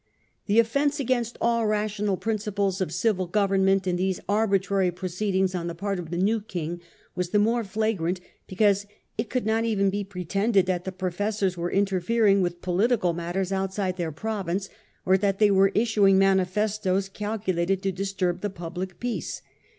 The offence against all rational principles of civil government in these arbitrary proceedings on the part of the new King was the more flagrant because it could not even be pretended that the professors were interfering with political matters outside their province, or that they were issuing manifestoes calculated to disturb the public peace.